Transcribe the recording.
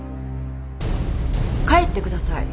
帰ってください。